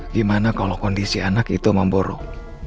gimana kalau kondisi anak itu memburuk